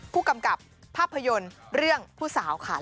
ผู้กำกับภาพยนตร์เรื่องผู้สาวค่ะ